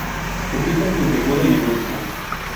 Su pico es puntiagudo y negruzco.